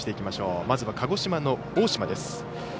まずは鹿児島の大島です。